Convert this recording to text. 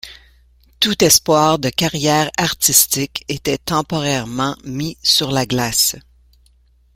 Tout espoir de carrière artistique était temporairement mis sur la glace.